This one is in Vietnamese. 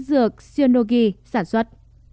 dược xionogi sản xuất